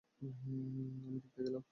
আমি দেখতে গেলাম।